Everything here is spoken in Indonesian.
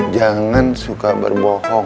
jangan suka berbohong